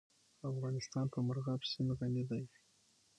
افغانستان په مورغاب سیند غني دی.